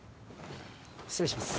失礼します。